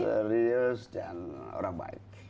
serius dan orang baik